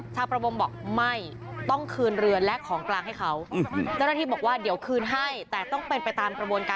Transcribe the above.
ชาวประมงบอกไม่ต้องคืนเรือและของกลางให้เขา